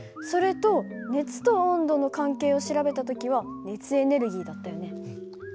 それと熱と温度の関係を調べた時は熱エネルギーだったよね。